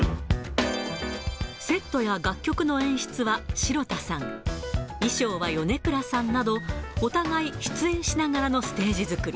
セットや楽曲の演出は城田さん、衣装は米倉さんなど、お互い出演しながらのステージ作り。